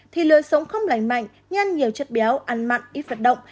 thì lưới sống không lành mạnh nhanh nhiều chất béo ăn mặn ít phạt động